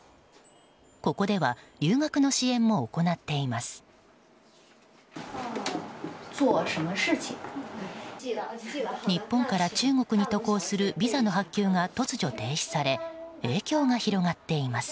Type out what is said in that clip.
ここでは留学の支援も行っています。